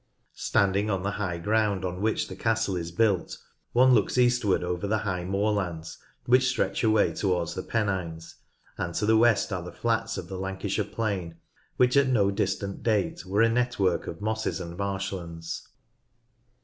Standing on the high ground on which the castle is built one looks eastward over the high moorlands which stretch away towards the Pennines, and to the west are the flats of the Lancashire plain which at no distant date were a network of mosses and marshlands.